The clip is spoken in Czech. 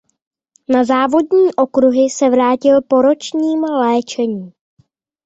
Na závodní okruhy se vrátil po ročním léčení.